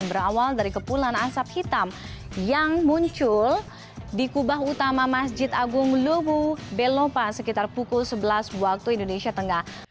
berawal dari kepulan asap hitam yang muncul di kubah utama masjid agung luwu belopa sekitar pukul sebelas waktu indonesia tengah